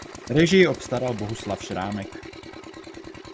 Režii obstaral Bohuslav Šrámek.